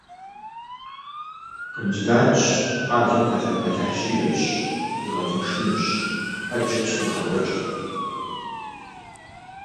Кандидатщ, къалэм фэтэр бэлыхь щиӏэщ, уигъэтыншынущ — ӏэджи къысхурагъэкӏуэкӏырт.